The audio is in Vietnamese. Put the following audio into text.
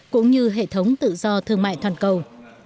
cũng như hệ thống tự do thương mại toàn cầu